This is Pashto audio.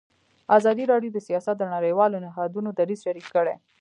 ازادي راډیو د سیاست د نړیوالو نهادونو دریځ شریک کړی.